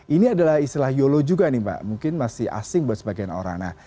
ini adalah istilah yolo juga nih mbak mungkin masih asing buat sebagian orang